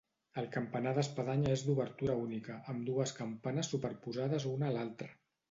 El campanar d'espadanya és d'obertura única, amb dues campanes superposades una a l'altra.